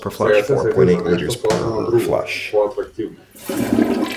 Сега се сетив за нешто сосема друго, поатрактивно.